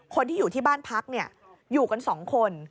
คนที่อยู่ที่บ้านพักอยู่กัน๒คน